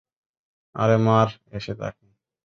আরে, মার এসে তাকে।